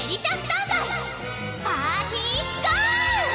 パーティゴォー！